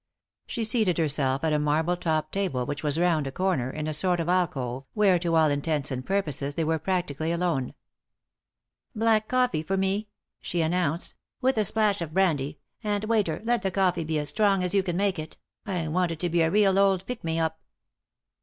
She seated herself at a marble topped table which was round a comer, in a sort of alcove, where, to all intents and purposes, they were practically alone, "Black coffee for me," she announced, "with a splash of brandy — and, waiter, let the coffee be as strong as you can make it ; I want it to be a real old pick me up."